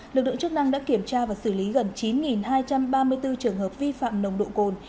lực lượng chức năng đã kiểm tra và xử lý gần chín hai trăm ba mươi bốn trường hợp vi phạm nồng độ cồn